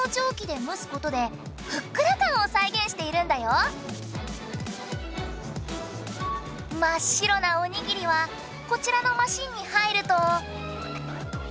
ニチレイは真っ白なおにぎりはこちらのマシンに入ると。